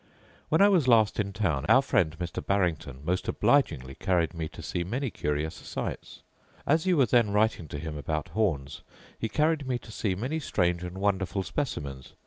When I was last in town our friend Mr. Barrington most obligingly carried me to see many curious sights. As you were then writing to him about horns, he carried me to see many strange and wonderful specimens.